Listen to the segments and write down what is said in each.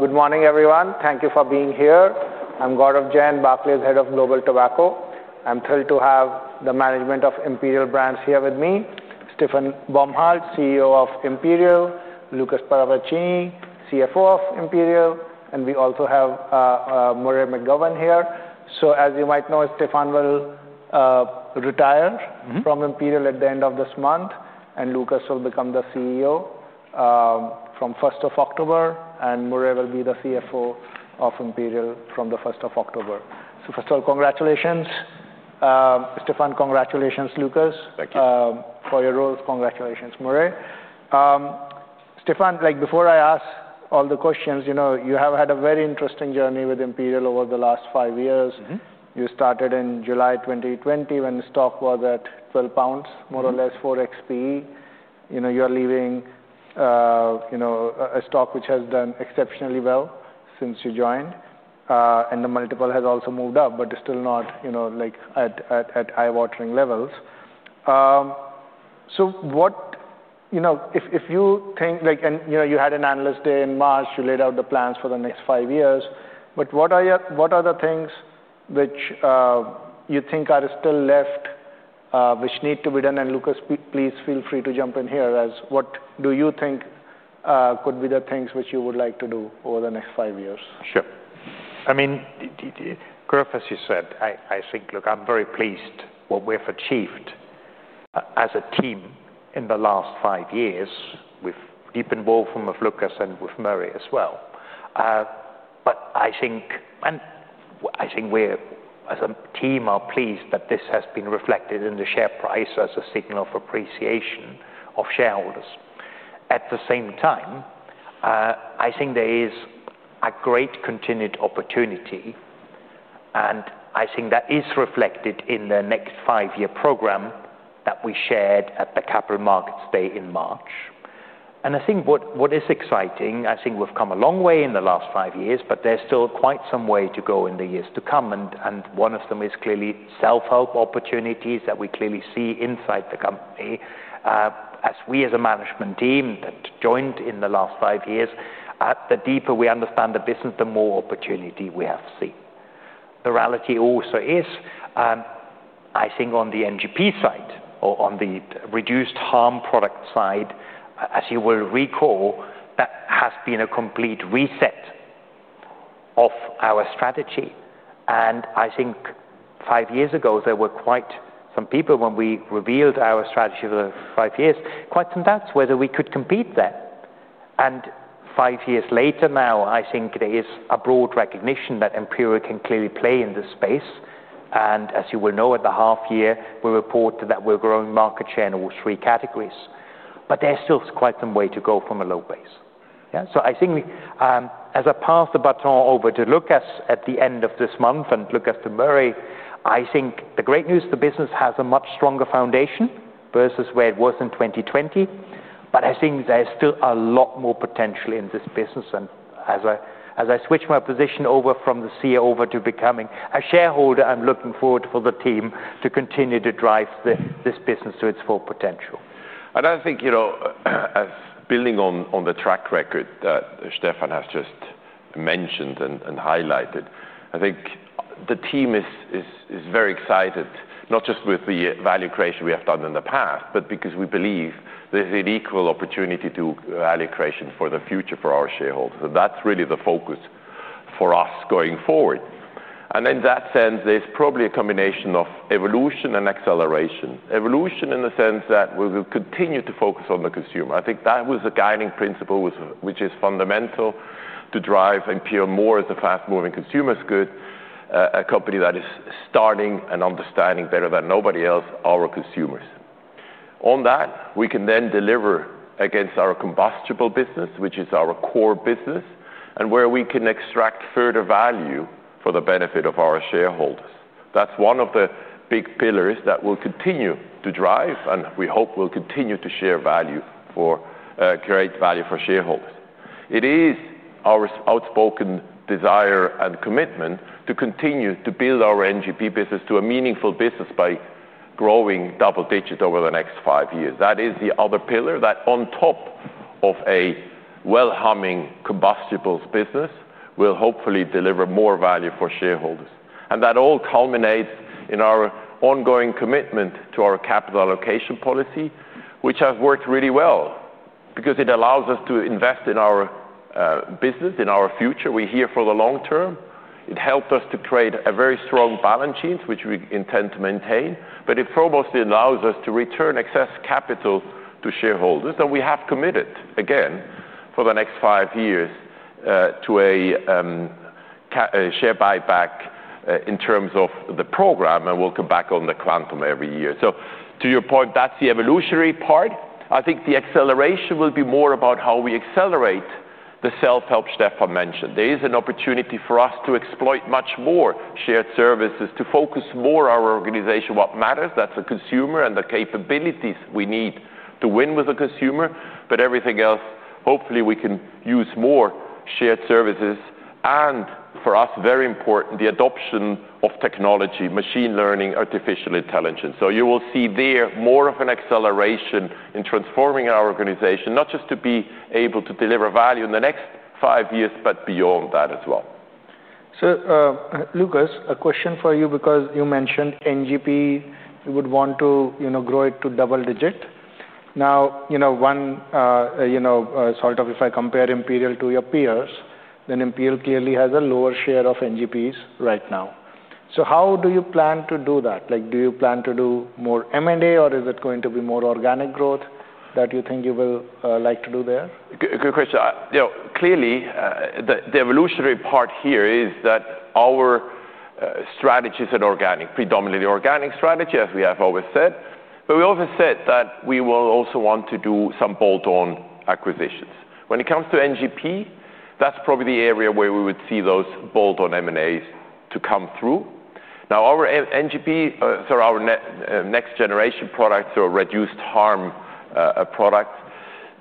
Good morning, everyone. Thank you for being here. I'm Gaurav Jayan, Barclays Head of Global Tobacco. I'm thrilled to have the management of Imperial Brands here with me, Stefan Bombardt, CEO of Imperial Lucas Paravacini, CFO of Imperial and we also have Murray McGovern here. So as you might know, Stephane will retire from Imperial at the end of this month, and Lucas will become the CEO from October 1, and Murray will be the CFO of Imperial from the October 1. So first of congratulations. Stefan, congratulations, Lucas, your role. Congratulations, Murray. Stefan, like before I ask all the questions, you have had a very interesting journey with Imperial over the last five years. You started in July 2020 when the stock was at £12 more or less, 4x PE. You're leaving a stock which has done exceptionally well since you joined. And the multiple has also moved up, but it's still not like at eye watering levels. So what if you think like and you had an Analyst Day in March, you laid out the plans for the next five years, but what the things which you think are still left, which need to be done? And Lucas, please feel free to jump in here as what do you think could be the things which you would like to do over the next five years? Sure. I mean, Gurup, as you said, I think, look, I'm very pleased what we've achieved as a team in the last five years with deep involvement with Lucas and with Murray as well. But I think we as a team are pleased that this has been reflected in the share price as a signal of appreciation of shareholders. At the same time, I think there is a great continued opportunity. And I think that is reflected in the next five year program that we shared at the Capital Markets Day in March. And I think what is exciting, I think we've come a long way in the last five years, but there's still quite some way to go in the years to come. And one of them is clearly self help opportunities that we clearly see inside the company. As we as a management team that joined in the last five years. The deeper we understand the business, the more opportunity we have to see. The reality also is, I think on the NGP side or on the reduced harm product side, as you will recall, that has been a complete reset of our strategy. And I think five years ago, there were quite some people when we revealed our strategy for the five years, quite some doubts whether we could compete there. And five years later now, I think there is a broad recognition that Empira can clearly play in this space. And as you will know at the half year, we reported that we're growing market share in all three categories. But there's still quite some way to go from a low base. So I think as I pass the baton over to Lucas at the end of this month and Lucas de Murray, I think the great news, the business has a much stronger foundation versus where it was in 2020. But I think there's still a lot more potential in this business. And as I switch my position over from the CEO over to becoming a shareholder, I'm looking forward for the team to continue to drive this business to its full potential. And I think as building on the track record that Stefan has just mentioned and highlighted, I think the team is very excited, not just with the value creation we have done in the past, but because we believe there's an equal opportunity to value creation for the future for our shareholders. So that's really the focus for us going forward. And in that sense, there's probably a combination of evolution and acceleration. Evolution in the sense that we will continue to focus on the consumer. I think that was the guiding principle, which is fundamental to drive and pure more as a fast moving consumer is good, a company that is starting and understanding better than nobody else, our consumers. On that, we can then deliver against our combustible business, which is our core business and where we can extract further value for the benefit of our shareholders. That's one of the big pillars that we'll continue to drive and we hope we'll continue to share value for create value for shareholders. It is our outspoken desire and commitment to continue to build our NGP business to a meaningful business by growing double digit over the next five years. That is the other pillar that on top of a well humming combustibles business will hopefully deliver more value for shareholders. And that all culminates in our ongoing commitment to our capital allocation policy, which has worked really well because it allows us to invest in our business, in our future. We're here for the long term. It helped us to trade a very strong balance sheet, which we intend to maintain. But it foremost allows us to return excess capital to shareholders. And we have committed, again, for the next five years to a share buyback in terms of the program, and we'll come back on the quantum every year. So to your point, that's the evolutionary part. I think the acceleration will be more about how we accelerate the self help Stephan mentioned. There is an opportunity for us to exploit much more shared services to focus more our organization, what matters, that's the consumer and the capabilities we need to win with the consumer, but everything else, hopefully, we can use more shared services and for us, very important, the adoption of technology, machine learning, artificial intelligence. So you will see there more of an acceleration in transforming our organization, not just to be able to deliver value in the next five years, but beyond that as well. So Lucas, a question for you because you mentioned NGP would want to grow it to double digit. Now one, sort of if I compare Imperial to your peers, then Imperial clearly has a lower share of NGPs right now. So how do you plan to do that? Like do you plan to do more M and A? Or is it going to be more organic growth that you think you will like to do there? Good question. Clearly, the evolutionary part here is that our strategy is an organic, predominantly organic strategy, as we have always said. But we also said that we will also want to do some bolt on acquisitions. When it comes to NGP, that's probably the area where we would see those bolt on M and As to come through. Now our NGP so our next generation products or reduced harm product,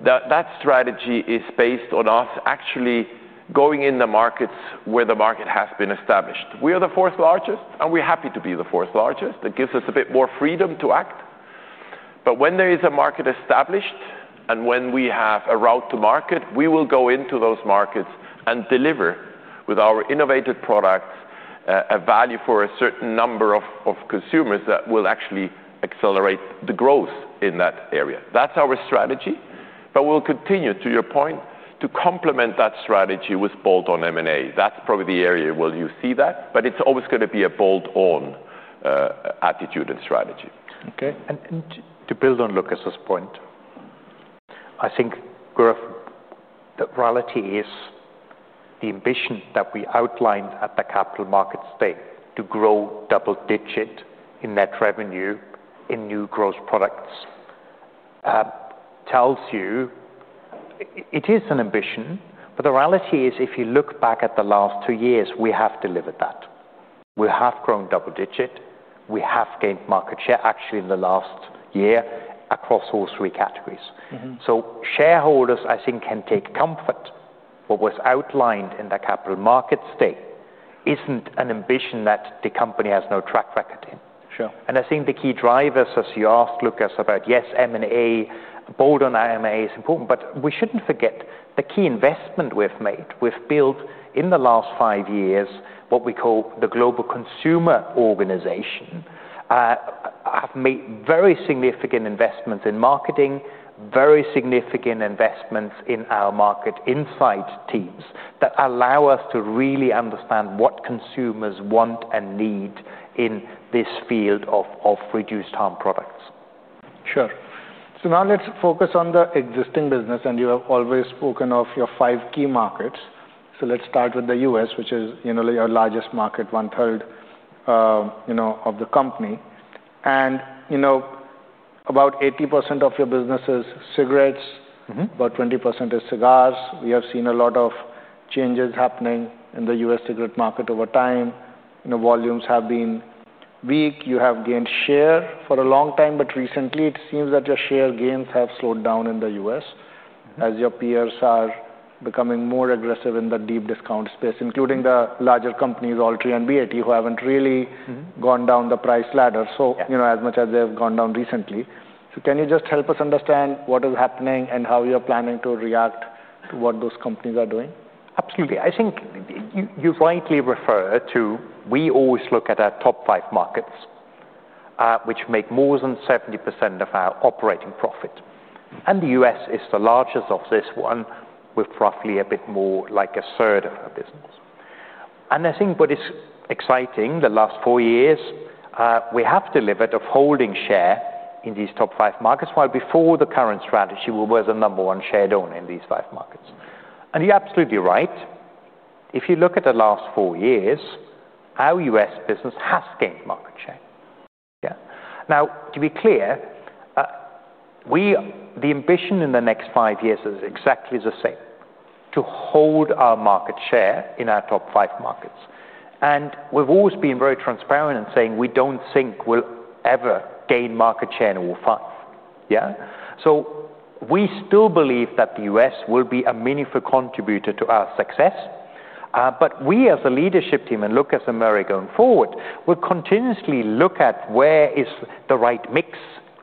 that strategy is based on us actually going in the markets where the market has been established. We are the fourth largest, and we're happy to be the fourth largest. It gives us a bit more freedom to act. But when there is a market established and when we have a route to market, we will go into those markets and deliver with our innovative products a value for a certain number of consumers that will actually accelerate the growth in that area. That's our strategy. But we'll continue to your point to complement that strategy with bolt on M and A. That's probably the area where you see that, but it's always going to be a bolt on attitude and strategy. Okay. And to build on Lucas' point, I think growth, the reality is the ambition that we outlined at the Capital Markets Markets Day to grow double digit in net revenue in new gross products tells you it is an ambition. But the reality is if you look back at the last two years, we have delivered that. We have grown double digit. We have gained market share actually in the last year across all three categories. So shareholders I think can take comfort. What was outlined in the Capital Markets Day isn't an ambition that the company has no track record in. And I think the key drivers as you asked Lucas about, yes, M and A, board on M and A is important, but we shouldn't forget the key investment we've made. We've built in the last five years, what we call the global consumer organization, have made very significant investments in marketing, very significant investments in our market insights teams that allow us to really understand what consumers want and need in this field of reduced harm products. Sure. So now let's focus on the existing business, and you have always spoken of your five key markets. So let's start with The U. S, which is your largest market, onethree of the company. And about 80 of your business is cigarettes, about 20% is cigars. We have seen a lot of changes happening in The U. S. Cigarette market over time. Volumes have been weak. You have gained share for a long time. But recently, it seems that your share gains have slowed down in The U. S. As your peers are becoming more aggressive in the deep discount space, including the larger companies, Altria and BAT, who haven't really gone down the price ladder, so as much as they have gone down recently. So can you just help us understand what is happening and how you're planning to react to what those companies are doing? Absolutely. I think you rightly referred to we always look at our top five markets, which make more than 70% of our operating profit. And The U. S. Is the largest of this one with roughly a bit more like a third of our business. And I think what is exciting the last four years, we have delivered a holding share in these top five markets, while before the current strategy we were the number one shared owner in these five markets. And you're absolutely right. If you look at the last four years, our U. S. Business has gained market share. Now to be clear, we the ambition in the next five years is exactly the same, to hold our market share in our top five markets. And we've always been very transparent in saying we don't think we'll ever gain market share in all five. So we still believe that The U. S. Will be a meaningful contributor to our success. But we as a leadership team and look at America going forward, we'll continuously look at where is the right mix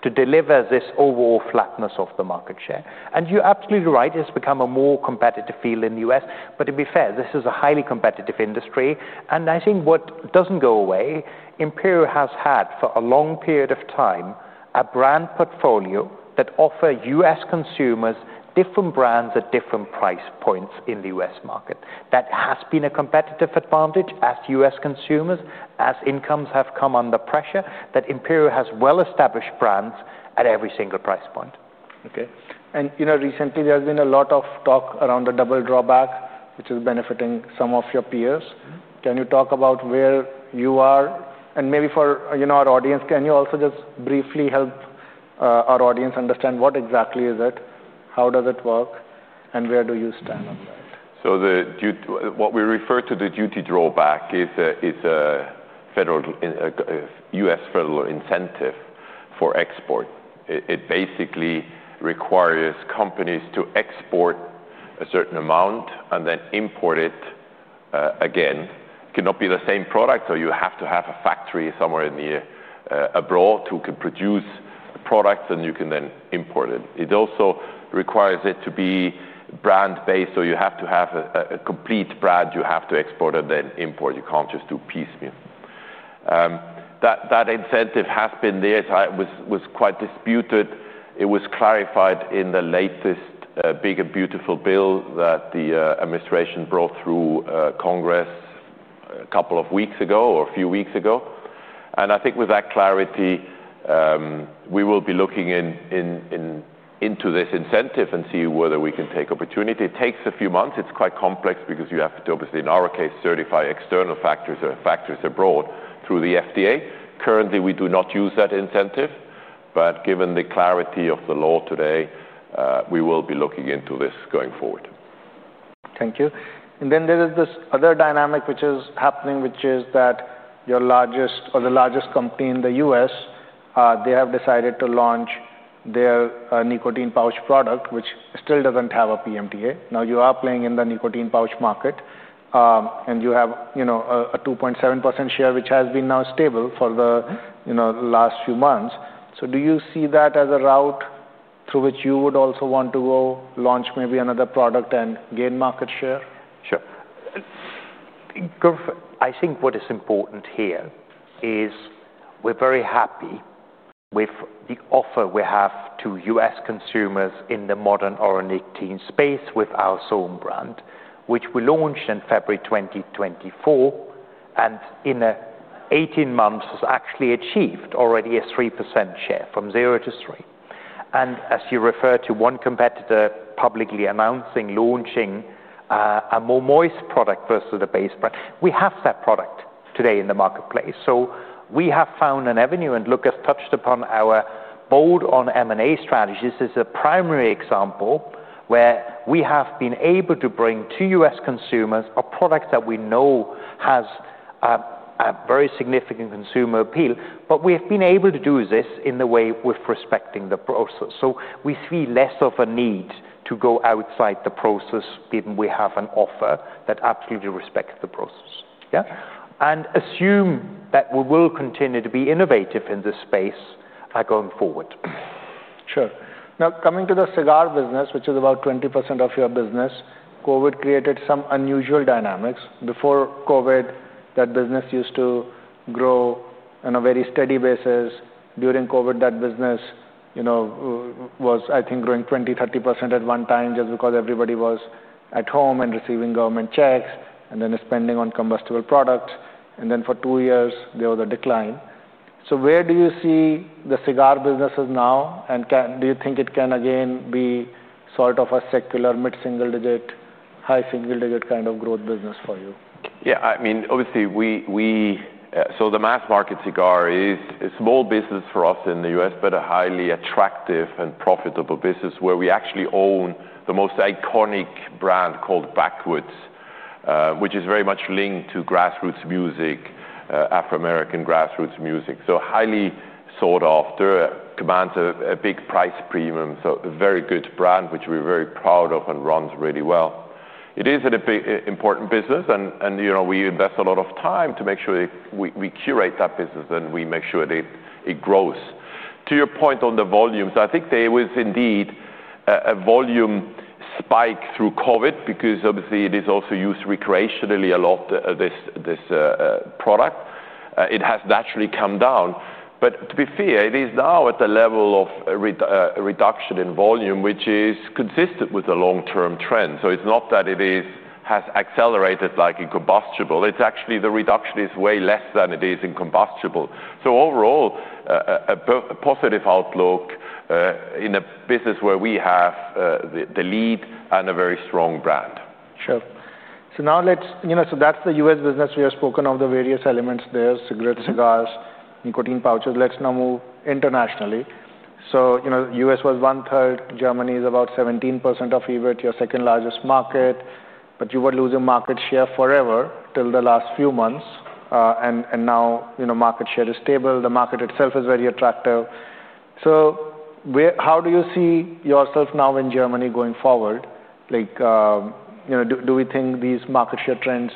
to deliver this overall flatness of the market share. And you're absolutely right, it's become a more competitive field in The U. S. But to be fair, this is a highly competitive industry. And I think what doesn't go away, Imperial has had for a long period of time, a brand portfolio that offer U. S. Consumers different brands at different price points in The U. S. Market. That has been a competitive advantage as U. S. Consumers, as incomes have come under pressure that Imperial has well established brands at every single price point. Okay. And recently, has been a lot of talk around the double drawback, which is benefiting some of your peers. Can you talk about where you are? And maybe for our audience, can you also just briefly help our audience understand what exactly is it? How does it work? And where do you stand on that? So the what we refer to the duty drawback is a federal U. S. Federal incentive export. It basically requires companies to export a certain amount and then import it again. It cannot be the same product, so you have to have a factory somewhere in the abroad who can produce products and you can then import it. It also requires it to be brand based. So you have to have a complete brand. You have to export and then import. You can't just do piecemeal. That incentive has been there. It was quite disputed. It was clarified in the latest Big and Beautiful Bill that the administration brought through Congress a couple of weeks ago or a few weeks ago. And I think with that clarity, we will be looking into this incentive and see whether we can take opportunity. It takes a few months. It's quite complex because you have to, obviously, in our case, certify external factors or factors abroad through the FDA. Currently, we do not use that incentive. But given the clarity of the law today, we will be looking into this going forward. Thank you. And then there is this other dynamic which is happening, which is that your largest or the largest company in The U. S, they have decided to launch their nicotine pouch product, which still doesn't have a PMTA. Now you are playing in the nicotine pouch market, and you have a 2.7% share, which has been now stable for the last few months. So do you see that as a route through which you would also want to go launch maybe another product and gain market share? Sure. I think what is important here is we're very happy with the offer we have to U. S. Consumers in the modern RNA teen space with our SOM brand, which we launched in February 2024 and in eighteen months has actually achieved already a 3% share from zero to three. And as you refer to one competitor publicly announcing launching a more moist product versus the base brand. We have that product today in the marketplace. So we have found an avenue and Lucas touched upon our bold on M and A strategy. This is a primary example where we have been able to bring to U. S. Consumers a product that we know has a very significant consumer appeal. But we have been able to do this in the way with respecting the process. So we see less of a need to go outside the process, given we have an offer that absolutely respects the process, yes. And assume that we will continue to be innovative in this space going forward. Sure. Now coming to the cigar business, which is about 20% of your business, COVID created some unusual dynamics. Before COVID, that business used to grow on a very steady basis. During COVID, that business was, I think, growing 20%, 30 at one time just because everybody was at home and receiving government checks and then spending on combustible product. And then for two years, there was a decline. So where do you see the cigar businesses now? And do you think it can again be sort of a secular mid single digit, high single digit kind of growth business for you? Yes. I mean, obviously, we so the mass market cigar is a small business for us in The U. S, but a highly attractive and profitable business where we actually own the most iconic brand called Backwoods, which is very much linked to grassroots music, Afro American grassroots music. So highly sought after, commands a big price premium, so a very good brand, which we're very proud of and runs really well. It is an important business, we invest a lot of time to make sure we curate that business and we make sure that it grows. To your point on the volumes, I think there was indeed a volume spike through COVID because obviously, it is also used recreationally a lot this product. It has naturally come down. But to be fair, it is now at the level of reduction in volume, which is consistent with the long term trend. So it's not that it is has accelerated like in combustible. It's actually the reduction is way less than it is in combustible. So overall, a positive outlook in a business where we have the lead and a very strong brand. Sure. So now let's so that's The U. S. Business. We have spoken of the various elements there, cigarettes, cigars, nicotine pouches. Let's now move internationally. So U. S. Was onethree Germany is about 17% of EBIT, your second largest market, but you were losing market share forever till the last few months. And now market share is stable. The market itself is very attractive. So how do you see yourself now in Germany going forward? Like do we think these market share trends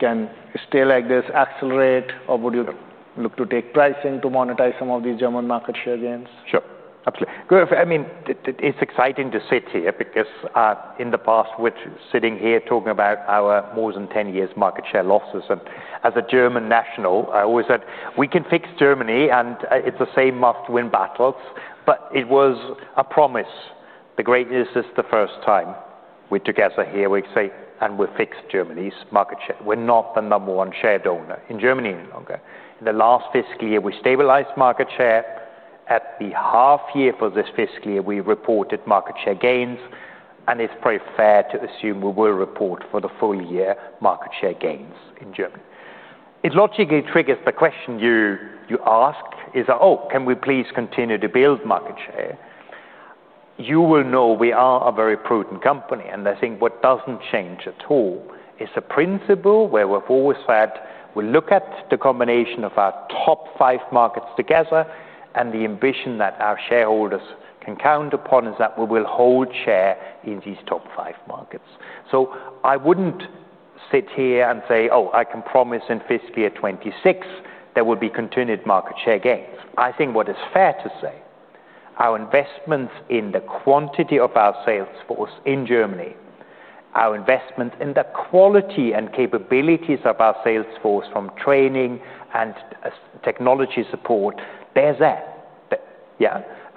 can stay like this, accelerate? Or would you look to take pricing to monetize some of these German market share gains? Sure. Absolutely. Go ahead. I mean, it's exciting to sit here because in the past which is sitting here talking about our more than ten years market share losses. As a German national, I always said, we can fix Germany and it's the same must win battles, but it was a promise. The great news is the first time we together here we say and we fixed Germany's market share. We're not the number one share donor in Germany any longer. In the last fiscal year, we stabilized market share. At the half year for this fiscal year, we reported market share gains. And it's pretty fair to assume we will report for the full year market share gains in Germany. It logically triggers the question you ask is, can we please continue to build market share? You will know we are a very prudent company. And I think what doesn't change at all is a principle where we've always said, we look at the combination of our top five markets together and the ambition that our shareholders can count upon is that we will hold share in these top five markets. So I wouldn't sit here and say, oh, I can promise in fiscal year twenty twenty six, there will be continued market share gains. I think what is fair to say, our investments in the quantity of our sales force in Germany, our investment in the quality and capabilities of our sales force from training and technology support, there's that, yeah.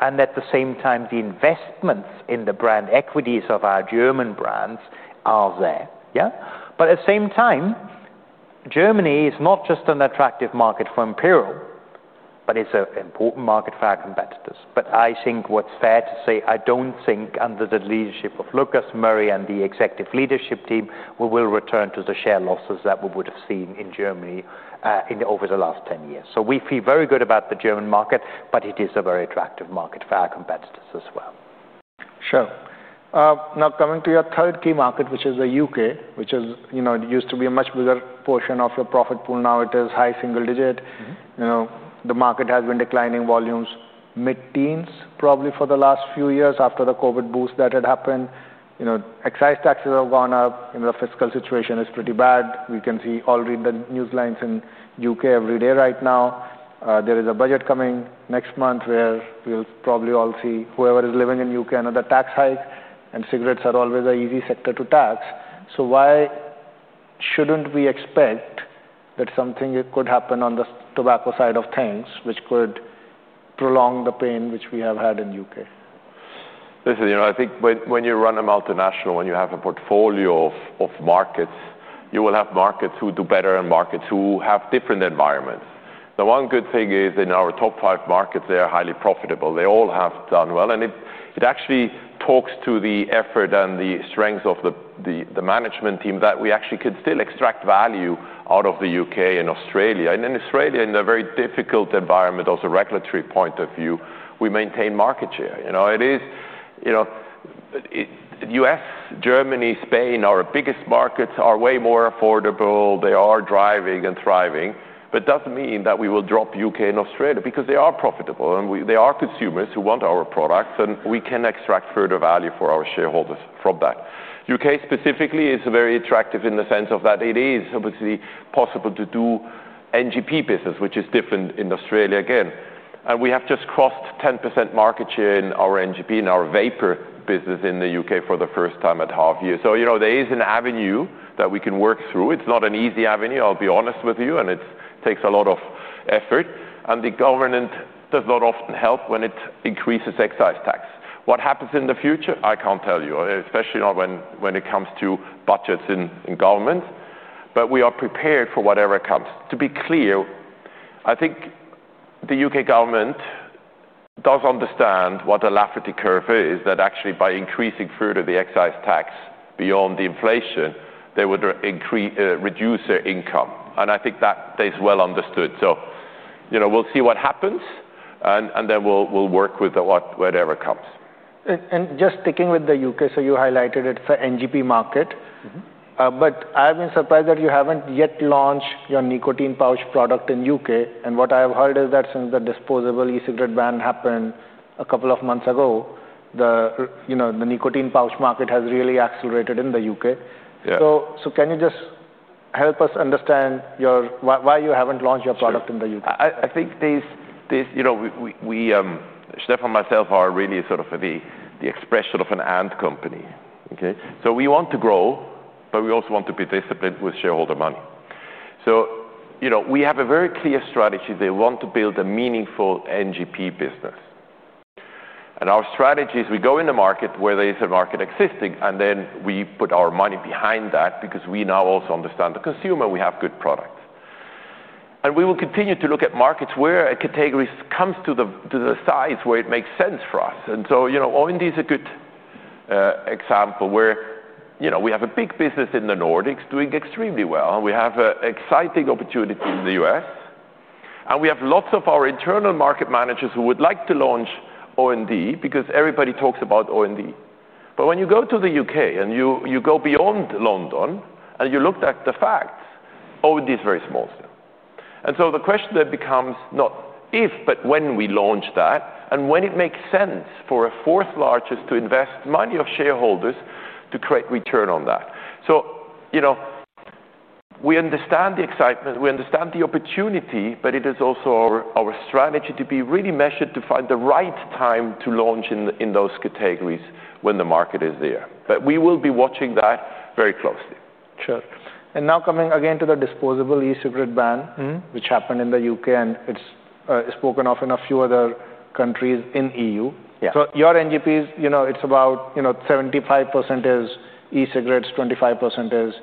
And at the same time, the investments in the brand equities of our German brands are there, yeah. But at the same time, Germany is not just an attractive market for Imperial, but it's an important market for our competitors. But I think what's fair to say, I don't think under the leadership of Lucas Murray and the executive leadership team, we will return to the share losses that we would have seen in Germany in over the last ten years. So we feel very good about the German market, but it is a very attractive market for our competitors as well. Sure. Now coming to your third key market, which is The U. K, which is it used to be a much bigger portion of your profit pool. Now it is high single digit. The market has been declining volumes mid teens probably for the last few years after the COVID boost that had happened. Excise taxes have gone up. The fiscal situation is pretty bad. We can see all read the news lines in U. K. Every day right now. There is a budget coming next month where we'll probably all see whoever is living in U. K. Another tax hike, and cigarettes are always an easy sector to tax. So why shouldn't we expect that something could happen on the tobacco side of things, which could prolong the pain which we have had in The U. K? Listen, I think when you run a multinational, when you have a portfolio of markets, you will have markets who do better and markets who have different environments. The one good thing is in our top five markets, they are highly profitable. They all have done well. And it actually talks to the effort and the strength of the management team that we actually could still extract value out of The UK And then Australia in a very difficult environment, also regulatory point of view, we maintain market share. It is U. S, Germany, Spain, our biggest markets are way more affordable. They are driving and thriving, But doesn't mean that we will drop U. K. And Australia because they are profitable. And we they are consumers who want our products, and we can extract further value for our shareholders from that. U. K. Specifically is very attractive in the sense of that it is obviously possible to do NGP business, which is different in Australia again. And we have just crossed 10% market share in our NGP, in our vapor business in The UK for the first time at half year. So there is an avenue that we can work through. It's not an easy avenue, I'll be honest with you, and it takes a lot of effort. And the government does not often help when it increases excise tax. What happens in the future? I can't tell you, especially not when it comes to budgets in government, but we are prepared for whatever comes. To be clear, I think the UK government does understand what the laffity curve is, that actually by increasing further the excise tax beyond the inflation, they would reduce their income. And I think that stays well understood. So we'll see what happens, and then we'll work with whatever comes. And just sticking with The U. K, so you highlighted it's a NGP market. But I've been surprised that you haven't yet launched your nicotine pouch product in U. K. And what I have heard is that since the disposable e cigarette ban happened a couple of months ago, the nicotine pouch market has really accelerated in The U. So can you just help us understand your why you haven't launched your product I in The U. Think this we Stephan and myself are really sort of the expression of an ant company, okay? So we want to grow, but we also want to be disciplined with shareholder money. So we have a very clear strategy. They want to build a meaningful NGP business. And our strategy is we go in the market where there is a market existing and then we put our money behind that because we now also understand the consumer, we have good products. And we will continue to look at markets where a category comes to the size where it makes sense for us. And so O and D is a good example where we have a big business in The Nordics doing extremely well. We have exciting opportunity in The U. S. And we have lots of our internal market managers who would like to launch O and D, because everybody talks about O and D. But when you go to The UK and you go beyond London and you looked at the facts, O and D is very small. And so the question then becomes not if, but when we launch that and when it makes sense for a fourth largest to invest money of shareholders to create return on that. So we understand the excitement, we understand the opportunity, but it is also our strategy to be really measured to find the right time to launch in those categories when the market is there. But we will be watching that very closely. Sure. And now coming again to the disposable e cigarette ban, which happened in The U. K. And it's spoken of in a few other countries in EU. So your NGPs, it's about 75% is e cigarettes, 25% is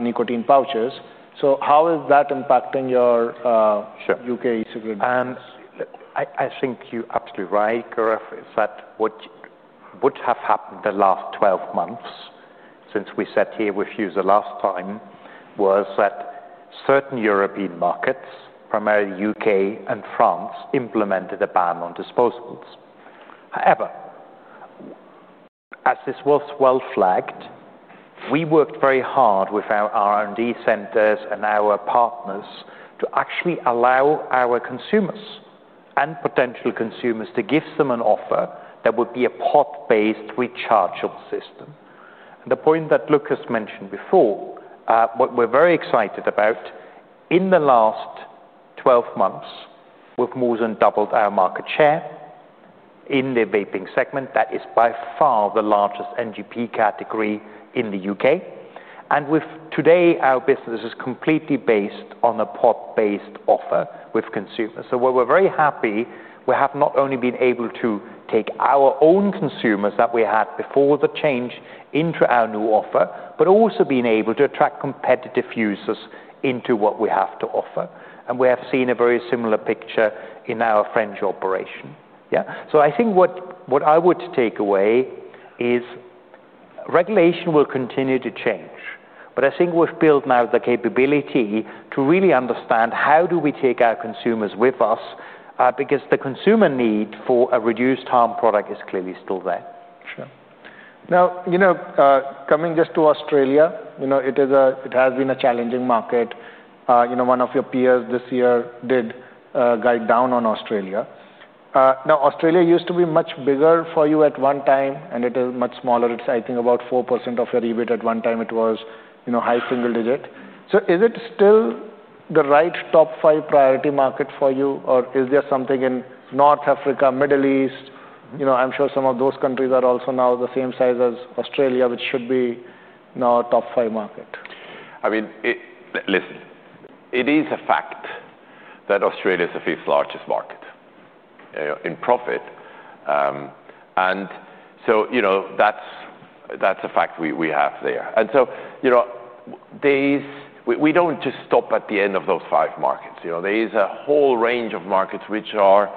nicotine pouches. UNIDENTIFIED So how is that impacting your Sure. U. K. E cigarette And I think you're absolutely right, Gareth, is that what would have happened the last twelve months since we sat here with you the last time was that certain European markets, primarily UK and France implemented a ban on disposals. However, as this was well flagged, we worked very hard with our R and D centers and our partners to actually allow our consumers and potential consumers to give them an offer that would be a pot based rechargeable system. The point that Lucas mentioned before, what we're very excited about in the last twelve months, we've more than doubled our market share in the vaping segment that is by far the largest NGP category in The UK. And with today our business is completely based on a pod based offer with consumers. So we're happy, we have not only been able to take our own consumers that we had before the change into our new offer, but also being able to attract competitive users into what we have to offer. And we have seen a very similar picture in our French operation. So I think what I would take away is regulation will continue to change. But I think we've built now the capability to really understand how do we take our consumers with us, because the consumer need for a reduced harm product Sure. Now coming just to Australia, it is a it has been a challenging market. One of your peers this year did guide down on Australia. Now Australia used to be much bigger for you at one time, and it is much smaller. It's, I think, about 4% of your EBIT. At one time, it was high single digit. So is it still the right top five priority market for you? Or is there something in North Africa, Middle East? I'm sure some of those countries are also now the same size as Australia, which should be now a top five market. I mean, listen, it is a fact that Australia is the fifth largest market in profit. And so that's a fact we have there. And so these we don't just stop at the end of those five markets. There is a whole range of markets which are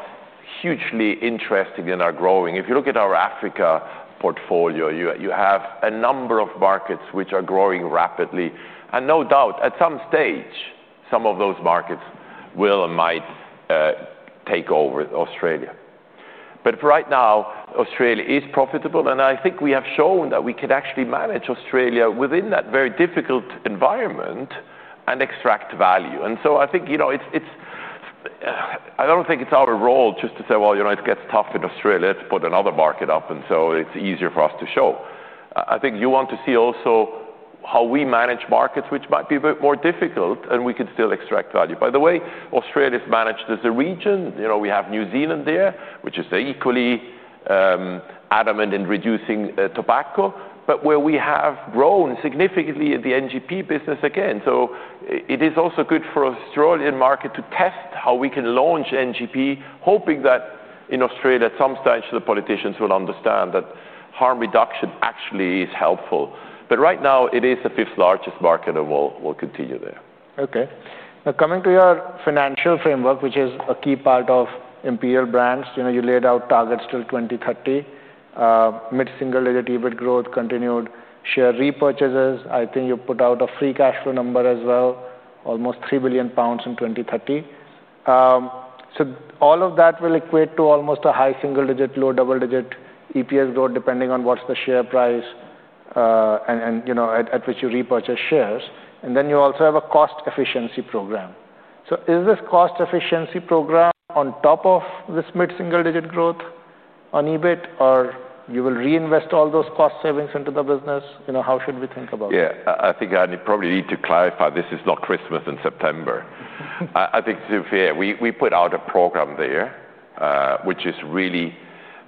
hugely interesting and are growing. If you look at our Africa portfolio, you have a number of markets, which are growing rapidly. And no doubt, at some stage, some of those markets will and might take over Australia. But right now, Australia is profitable. And I think we have shown that we could actually manage Australia within that very difficult environment and extract value. And so I think it's I don't think it's our role just to say, well, it gets tough in Australia, let's put another market up and so it's easier for us to show. I think you want to see also how we manage markets, which might be a bit more difficult and we could still extract value. By the way, Australia is managed as a region. We have New Zealand there, which is equally adamant in reducing tobacco, but where we have grown significantly in the NGP business again. So it is also good for Australian market to test how we can launch NGP, hoping that in Australia, at some stage, the politicians will understand that harm reduction actually is helpful. But right now, it is the fifth largest market, and we'll continue there. Okay. Now coming to your financial framework, which is a key part of Imperial Brands. You laid out targets till 02/1930, mid single digit EBIT growth, continued share repurchases. I think you put out a free cash flow number as well, almost £3,000,000,000 in 02/1930. So all of that will equate to almost a high single digit, low double digit EPS growth depending on what's the share price and at which you repurchase shares. And then you also have a cost efficiency program. So is this cost efficiency program on top of this mid single digit growth on EBIT? Or you will reinvest all those cost savings into the business? How should we think about it? Yes. I think I probably need to clarify this is not Christmas in September. I think to be fair, we put out a program there, which is really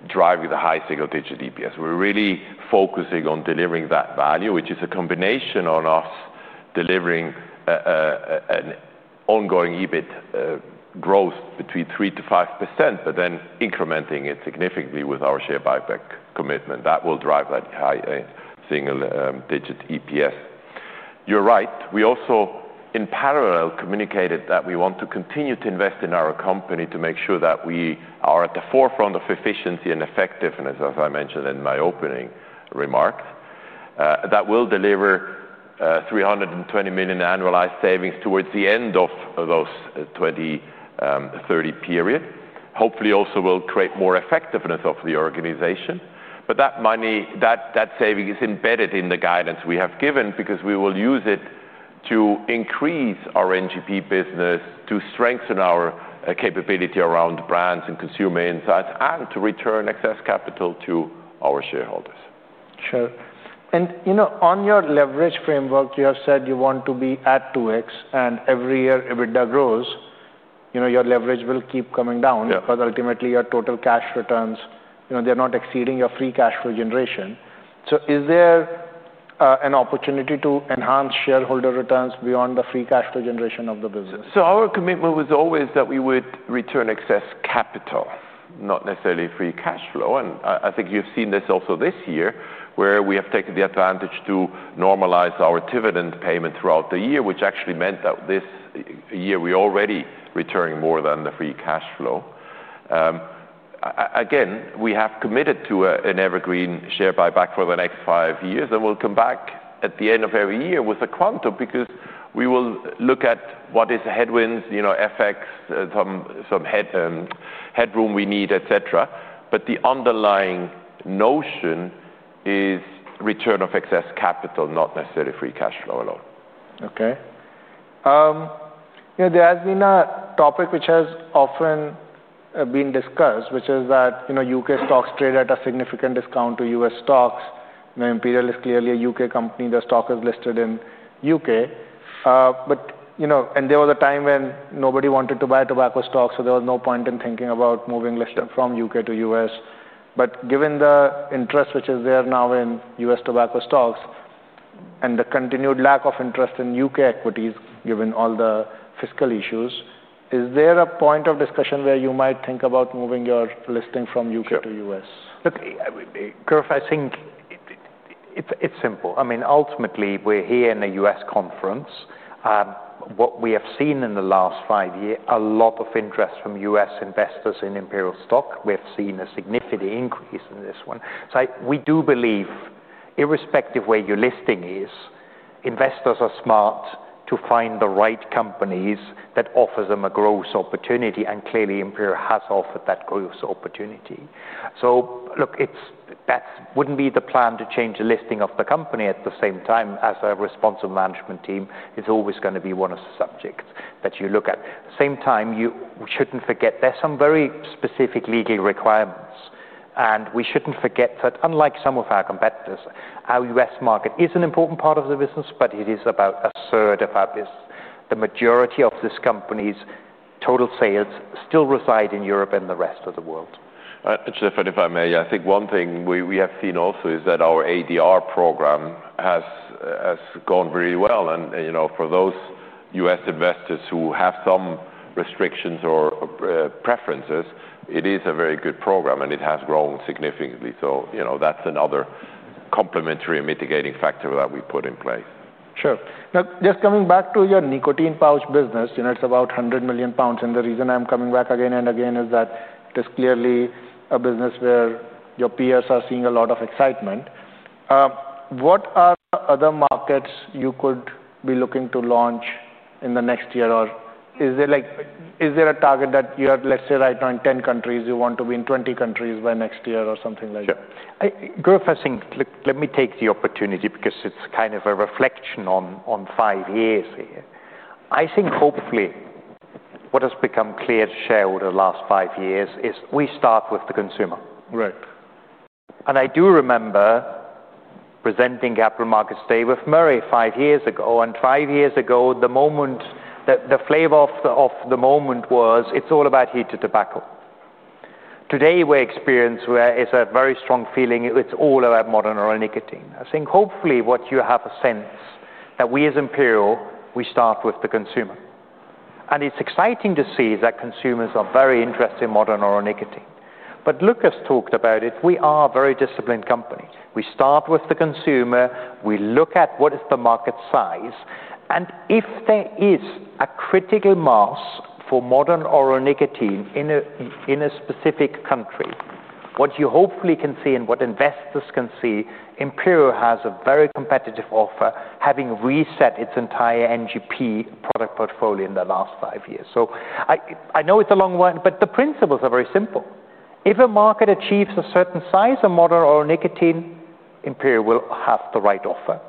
driving the high single digit EPS. We're really focusing on delivering that value, which is a combination on us delivering an ongoing EBIT growth between 3% to 5%, but then incrementing it significantly with our share buyback commitment that will drive that high single digit EPS. You're right. We also, in parallel, communicated that we want to continue to invest in our company to make sure that we are at the forefront of efficiency and effectiveness, as I mentioned in my opening remarks. That will deliver €320,000,000 annualized savings towards the end of those 2030 period. Hopefully, also will create more effectiveness of the organization. But that money that saving is embedded in the guidance we have given because we will use it to increase our NGP business, to strengthen our capability around brands and consumer insights and to return excess capital to our shareholders. Sure. And on your leverage framework, you have said you want to be at 2x. And every year, EBITDA grows, your leverage will keep coming down because ultimately, your total cash returns, they're not exceeding your free cash flow generation. So is there an opportunity to enhance shareholder returns beyond the free cash flow generation of the business? So our commitment was always that we would return excess capital, not necessarily free cash flow. And I think you've seen this also this year, where we have taken the advantage to normalize our dividend payment throughout the year, which actually meant that this year, we're already returning more than the free cash flow. Again, we have committed to an evergreen share buyback for the next five years. And we'll come back at the end of every year with a quantum, because we will look at what is the headwinds, FX, some headroom we need, etcetera. But the underlying notion is return of excess capital, not necessarily free cash flow alone. Okay. There has been a topic which has often been discussed, which is that U. K. Stocks trade at a significant discount to U. S. Stocks. Imperial is clearly a U. K. Company. The stock is listed in U. K. But and there was a time when nobody wanted to buy tobacco stock, so there was no point in thinking about moving listed from U. K. To U. S. But given the interest which is there now in U. S. Tobacco stocks and the continued lack of interest in U. K. Equities given all the fiscal issues, is there a point of discussion where you might think about moving your listing from U. K. To U. S? Okay. Would clarify, I think it's simple. I mean ultimately we're here in The U. S. Conference. What we have seen in the last five years, a lot of interest from U. S. Investors in Imperial stock. We have seen a significant increase in this one. So we do believe irrespective where your listing is, investors are smart to find the right companies that offers them a growth opportunity and clearly Imperial has offered that growth opportunity. So look, it's that wouldn't be the plan to change the listing of the company at the same time as a responsible management team is always going to be one of the subjects that you look at. Same time, we shouldn't forget there are some very specific legal requirements. And we shouldn't forget that unlike some of our competitors, our U. S. Market is an important part of the business, but it is about a third of our business. The majority of this company's total sales still reside in Europe and the rest of the world. Stefan, if I may, I think one thing we have seen also is that our ADR program has gone very well. And for those U. S. Investors who have some restrictions or preferences, it is a very good program, and it has grown significantly. So that's another complementary mitigating factor that we put in place. Sure. Now just coming back to your nicotine pouch business, it's about 100,000,000 pounds. And the reason I'm coming back again and again is that it is clearly a business where your peers are seeing a lot of excitement. What are the markets you could be looking to launch in the next year? Or is there a target that you have, let's say, right now in 10 countries, you want to be in 20 countries by next year or something like that? Sure. UNIDENTIFIED Gurup, I think, let me take the opportunity because it's kind of a reflection on five years here. I think hopefully what has become clear to shareholder last five years is we start with the consumer. And I do remember presenting Capital Markets Day with Murray five years ago and five years ago the moment that the flavor of the moment was it's all about heated tobacco. Today we experience where it's a very strong feeling it's all about modern oral nicotine. I think hopefully what you have a sense that we as Imperial, we start with the consumer. And it's exciting to see that consumers are very interested in modern oral nicotine. But Lucas talked about it, we are a very disciplined company. We start with the consumer, we look at what is the market size And if there is a critical mass for modern oral nicotine in a specific country, what you hopefully can see and what investors can see, Imperial has a very competitive offer having reset its entire NGP product portfolio in the last five years. So I know it's a long one, but the principles are very simple. If a market achieves a certain size of modern oral nicotine, Imperial will have the right offer.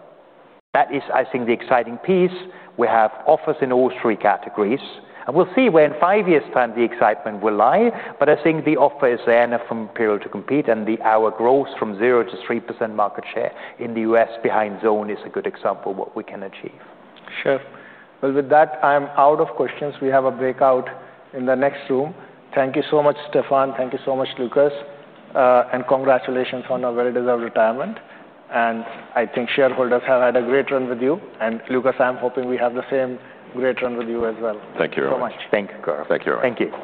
That is I think the exciting piece. We have offers in all three categories. And we'll see where in five years' time the excitement will lie, but I think the offer is there enough from Imperial to compete and our growth from 0% to 3% market share in The U. S. Behind Zone is a good example of what we can achieve. Sure. Well, with that, I'm out of questions. We have a breakout in the next room. Thank you so much, Stephane. Thank you so much, Lucas, and congratulations on a very deserved retirement. And I think shareholders have had a great run with you. And Lucas, I'm hoping we have the same great run with you as well Thank so Thank Arun. Thank you.